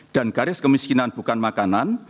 dan garis kemiskinan bukan makanan